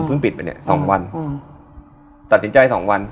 เราชวน